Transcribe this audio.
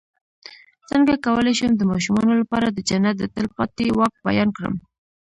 څنګه کولی شم د ماشومانو لپاره د جنت د تل پاتې واک بیان کړم